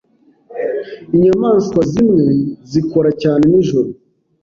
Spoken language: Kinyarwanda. Inyamaswa zimwe zikora cyane nijoro.